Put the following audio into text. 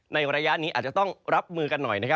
ในระยะนี้อาจจะต้องรับมือกันหน่อยนะครับ